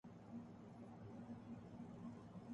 apple کے iPhone فلموں میں ولن کیوں نہیں استعمال کرسکتے